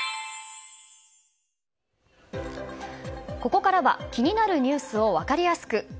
ここからは気になるニュースを分かりやすく。